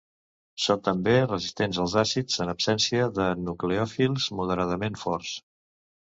Són també resistents als àcids en absència de nucleòfils moderadament forts.